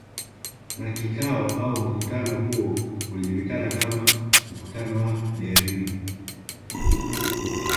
Na kikao au mkutano huo ulijulikana kama mkutano wa Berlini